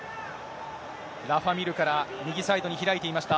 ラファ・ミールから、右サイドに開いていました。